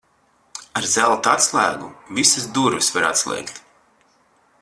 Ar zelta atslēgu visas durvis var atslēgt.